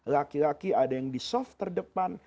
laki laki ada yang di soft terdepan